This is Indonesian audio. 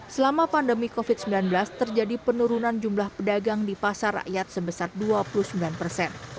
selama pandemi covid sembilan belas terjadi penurunan jumlah pedagang di pasar rakyat sebesar dua puluh sembilan persen